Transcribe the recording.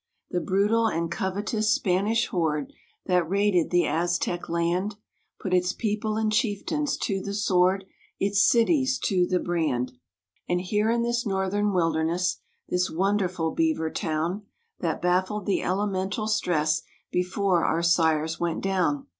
The brutal and covetous Spanish horde That raided the Aztec land, Put its people and chieftains to the sword, Its cities to the brand. And here in this northern wilderness, This wonderful beaver town, That baffled the elemental stress Before our sires went down.